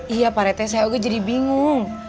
iya pak rete saya gue jadi bingung